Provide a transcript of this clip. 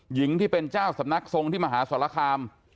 หญิงที่เป็นเจ้าสำนักทรงที่มหาสรคาม